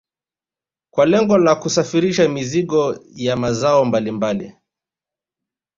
Kwa lengo la kusafirisha mizigo ya mazao mbalimbali